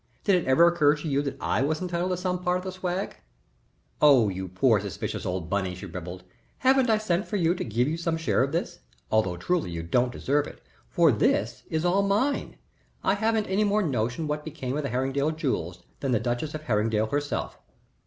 Did it ever occur to you that I was entitled to some part of the swag?" "Oh, you poor, suspicious old Bunny," she rippled. "Haven't I sent for you to give you some share of this although truly you don't deserve it, for this is all mine. I haven't any more notion what became of the Herringdale jewels than the duchess of Herringdale herself."